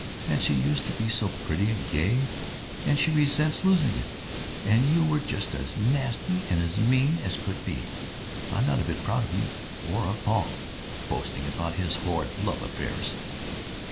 And she used to be so pretty and gay, and she resents losing it. And you were just as nasty and mean as you could be. I'm not a bit proud of you or of Paul, boasting about his horrid love affairs!"